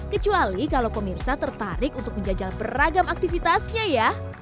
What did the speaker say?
kecuali kalau pemirsa tertarik untuk menjajal beragam aktivitasnya ya